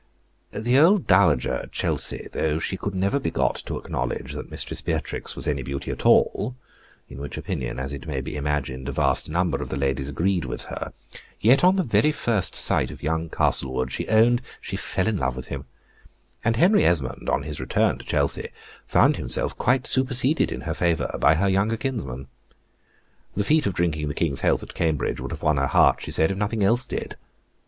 The old Dowager at Chelsey, though she could never be got to acknowledge that Mistress Beatrix was any beauty at all, (in which opinion, as it may be imagined, a vast number of the ladies agreed with her), yet, on the very first sight of young Castlewood, she owned she fell in love with him: and Henry Esmond, on his return to Chelsey, found himself quite superseded in her favor by her younger kinsman. The feat of drinking the King's health at Cambridge would have won her heart, she said, if nothing else did.